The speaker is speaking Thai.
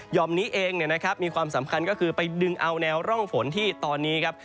มนี้เองมีความสำคัญก็คือไปดึงเอาแนวร่องฝนที่ตอนนี้ครับ